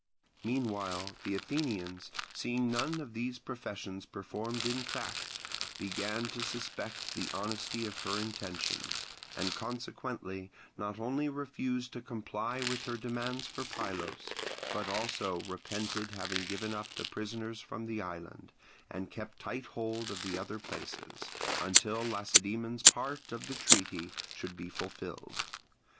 Meanwhile the Athenians, seeing none of these professions performed in fact, began to suspect the honesty of her intentions, and consequently not only refused to comply with her demands for Pylos, but also repented having given up the prisoners from the island, and kept tight hold of the other places, until Lacedaemon's part of the treaty should be fulfilled.